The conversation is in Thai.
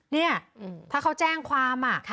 เนี่ยถ้าเขาแจ้งความ